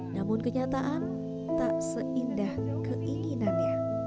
namun kenyataan tak seindah keinginannya